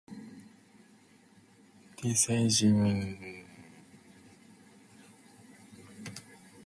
This heady exploit was ahead of its time.